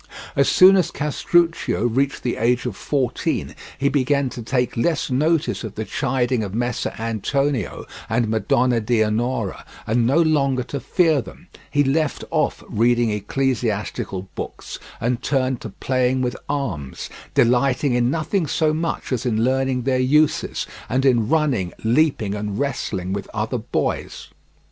As soon as Castruccio reached the age of fourteen he began to take less notice of the chiding of Messer Antonio and Madonna Dianora and no longer to fear them; he left off reading ecclesiastical books, and turned to playing with arms, delighting in nothing so much as in learning their uses, and in running, leaping, and wrestling with other boys.